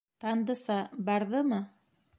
Тандыса... барҙымы?